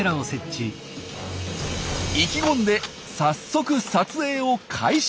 意気込んで早速撮影を開始。